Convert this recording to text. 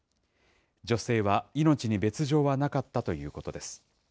女性は命に別状はなかったということです。